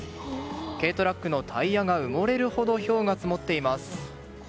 軽トラックのタイヤが埋もれるほどひょうが積もっています。